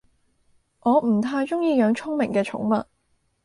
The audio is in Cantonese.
我唔太鍾意養聰明嘅寵物